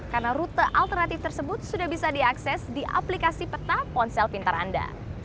karena rute alternatif tersebut sudah bisa diakses di aplikasi peta ponsel pindramayu